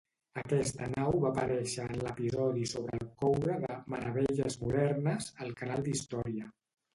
Aquesta nau va aparèixer en l'episodi sobre el coure de "Meravelles modernes" al canal d'història.